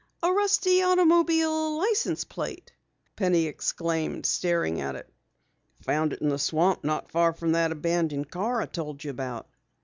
"A rusty automobile license plate!" Penny exclaimed, staring at it. "Found it in the swamp not far from that abandoned car I told you about."